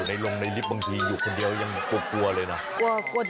อยู่ในลงในลิฟท์บางทีอยู่คนเดียวก็ยังกลัวเลยนะเฦ็บผ่านในลิฟท์บางทีอยู่คนเดียวก็ยังกลัวเลยนะ